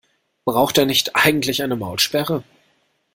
Braucht der nicht eigentlich eine Maulsperre?